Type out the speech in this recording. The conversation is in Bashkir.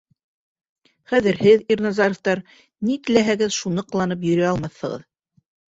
Хәҙер һеҙ, Ирназаровтар, ни теләһәгеҙ, шуны ҡыланып йөрөй алмаҫһығыҙ!